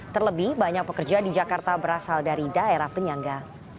terlebih banyak pekerja di jakarta berasal dari daerah penyangga